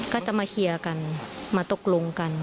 ก็จะมาเคลียร์กันมาตกลงกัน